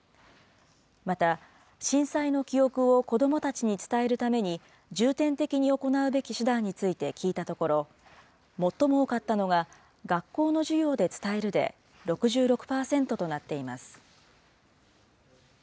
また、震災の記憶を子どもたちに伝えるために重点的に行うべき手段について聞いたところ、最も多かったのが、学校の授業で伝えるで６６％となっています。